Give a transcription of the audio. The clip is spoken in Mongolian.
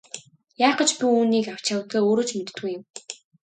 Яах гэж би үүнийг авч явдгаа өөрөө ч мэддэггүй юм.